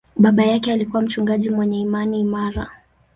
Baba yake alikuwa mchungaji mwenye imani imara.